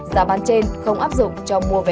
giá bán trên không áp dụng trong mua vé